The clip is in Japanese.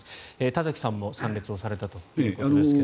田崎さんも参列をされたということですが。